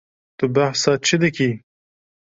Tu behsa çi dikî?